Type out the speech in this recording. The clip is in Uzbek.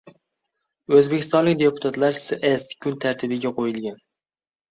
O‘zbekistonlik deputatlar s’ezd kun tartibiga qo‘yilgan